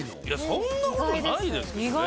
いやそんなことないですけどね